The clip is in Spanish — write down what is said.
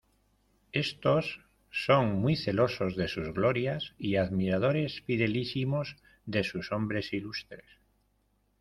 Estos son muy celosos de sus glorias y admiradores fidelísimos de sus hombres ilustres.